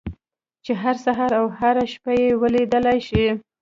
چې هر سهار او هره شپه يې وليدلای شئ.